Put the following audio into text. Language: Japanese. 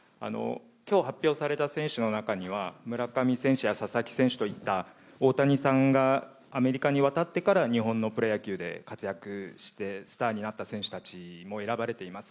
今日発表された選手の中には村上選手や佐々木選手といった大谷さんがアメリカに渡ってから日本のプロ野球で活躍してスターになった選手たちも選ばれています。